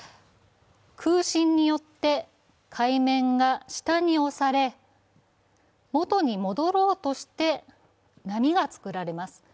空振によって海面が下に押され、元に戻ろうとして波が作られます。